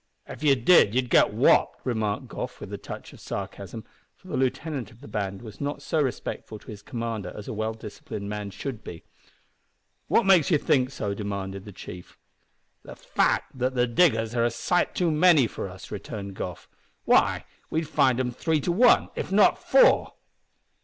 "If you did you'd get wopped," remarked Goff, with a touch of sarcasm, for the lieutenant of the band was not so respectful to his commander as a well disciplined man should be. "What makes you think so?" demanded the chief. "The fact that the diggers are a sight too many for us," returned Goff. "Why, we'd find 'em three to one, if not four."